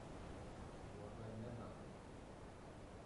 We berneda.